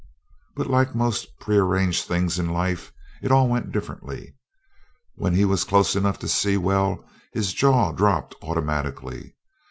But like most prearranged things in life it all went differently. When he was close enough to see well his jaw dropped automatically.